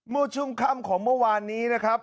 มือชมคำของเมื่อวานนี้นะครับ